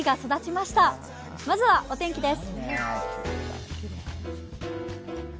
まずはお天気です。